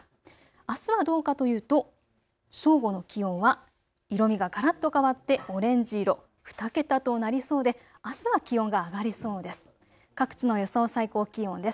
あすはどうかというと正午の気温は色みががらっと変わってオレンジ色、２桁となりそうであすは気温が上がりそうです。